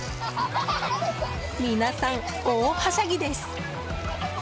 皆さん、大はしゃぎです。